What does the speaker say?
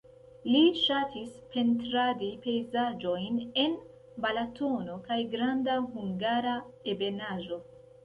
Li ŝatis pentradi pejzaĝojn en Balatono kaj Granda Hungara Ebenaĵo.